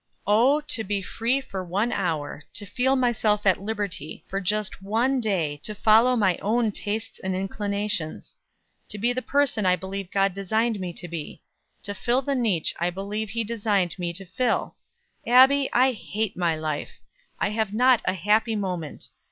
Oh, to be free for one hour, to feel myself at liberty, for just one day, to follow my own tastes and inclinations; to be the person I believe God designed me to be; to fill the niche I believe He designed me to fill! Abbie, I hate my life. I have not a happy moment.